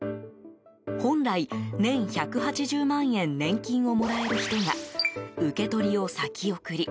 本来、年１８０万円年金をもらえる人が受け取りを先送り。